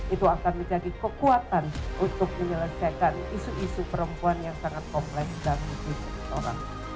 itu akan menjadi kekuatan untuk menyelesaikan isu isu perempuan yang sangat kompleks dan fisik orang